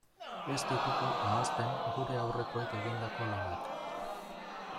Ez ditugu ahazten gure aurrekoek egindako lanak.